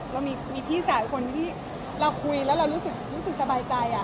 เรามีพี่สาวอีกคนที่เราคุยแล้วเรารู้สึกสบายใจ